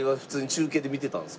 中継で見てたんです。